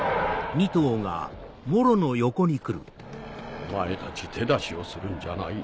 お前たち手出しをするんじゃないよ。